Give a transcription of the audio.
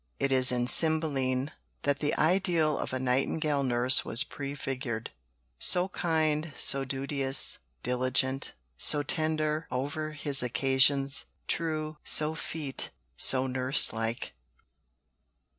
It is in Cymbeline that the ideal of a Nightingale nurse was prefigured: So kind, so duteous, diligent, So tender over his occasions, true, So feat, so nurse like.